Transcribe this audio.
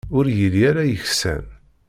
Ur yelli ara yeksan.